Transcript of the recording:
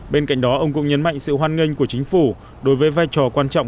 bên cạnh đó ông cũng nhấn mạnh sự hoan nghênh của chính phủ đối với vai trò quan trọng